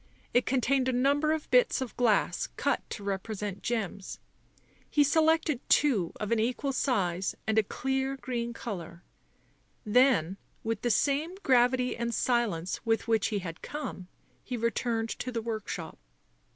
It contained a number of bits of glass cut to represent gems ; he selected two of an equal size and a clear green colour, then, with the same gravity and silence with which he had come, he returned to the workshop.